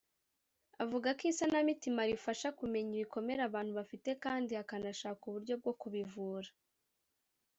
avuga ko isanamitima rifasha kumenya ibikomere abantu bafite kandi hakanashakwa uburyo bwo kubivura